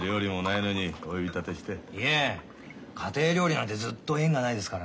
いいえ家庭料理なんてずっと縁がないですからね。